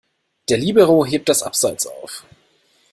Der Libero hebt das Abseits auf.